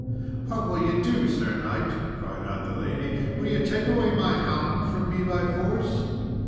"What will ye do, Sir knight?" cried out the lady; "will ye take away my hound from me by force?"